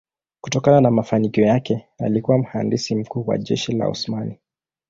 Kutokana na mafanikio yake alikuwa mhandisi mkuu wa jeshi la Osmani.